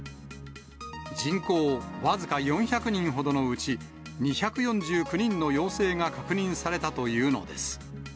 人口僅か４００人ほどのうち、２４９人の陽性が確認されたというのです。